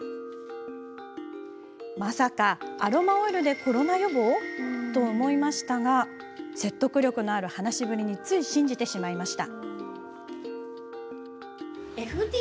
まさかアロマオイルでコロナ予防？と思いましたが説得力のある話しぶりについ信じてしまいました。